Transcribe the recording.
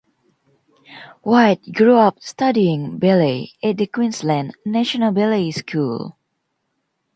White grew up studying ballet at the Queensland National Ballet School.